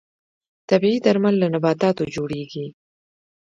طبیعي درمل له نباتاتو جوړیږي